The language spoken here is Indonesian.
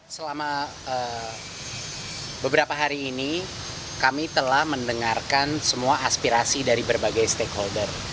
selama beberapa hari ini kami telah mendengarkan semua aspirasi dari berbagai stakeholder